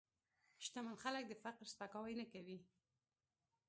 شتمن خلک د فقر سپکاوی نه کوي.